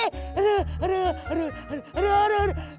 aduh aduh aduh aduh aduh aduh aduh aduh aduh